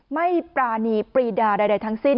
ปรานีปรีดาใดทั้งสิ้น